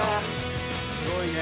「すごいね」